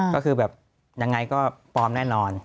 ก็คือแบบยังไงก็ปลอมแน่นอน